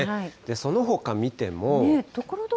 そのほか見ても。